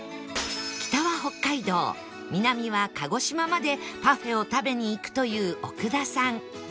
北は北海道南は鹿児島までパフェを食べに行くという奥田さん